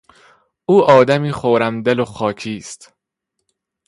او آدمی خرمدل و خاکی است.